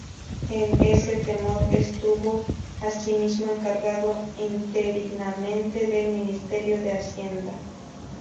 En ese tenor estuvo asimismo encargado interinamente del Ministerio de Hacienda.